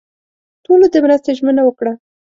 ټولو د مرستې ژمنه ورکړه.